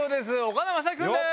岡田将生君です。